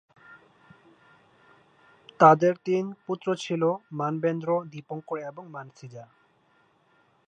তাদের তিন পুত্র ছিল- মানবেন্দ্র, দীপঙ্কর এবং মানসীজা।